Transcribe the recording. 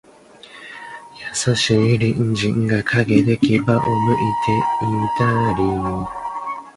芮逸夫早年在国立东南大学外文系修业。